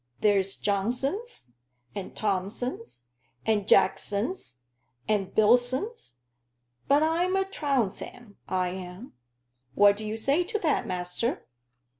There's Johnsons, and Thomsons, and Jacksons, and Billsons; but I'm a Trounsem, I am. What do you say to that, master?"